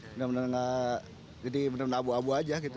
bener bener gak jadi bener bener abu abu aja gitu